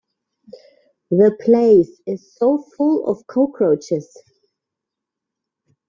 The place is so full of cockroaches.